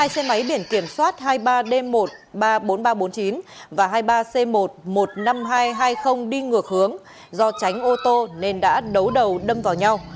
hai xe máy biển kiểm soát hai mươi ba d một trăm ba mươi bốn nghìn ba trăm bốn mươi chín và hai mươi ba c một trăm một mươi năm nghìn hai trăm hai mươi đi ngược hướng do tránh ô tô nên đã đấu đầu đâm vào nhau